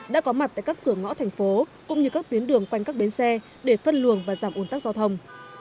đã có mặt tại các cửa ngõ thành phố cũng như các tuyến đường quanh các bến xe để phân luồng và giảm ồn tắc giao thông